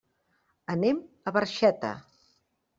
Anem a Barxeta.